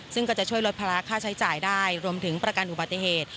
ซึ่งก็จะช่วยลดภาระค่าใช้จ่ายได้รวมถึงประกันอุบัติเหตุ